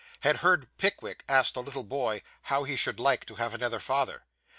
Had heard Pickwick ask the little boy how he should like to have another father.